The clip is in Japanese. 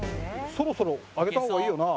そろそろ上げた方がいいよな。